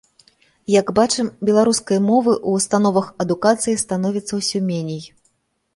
Як бачым, беларускай мовы ў установах адукацыі становіцца ўсё меней.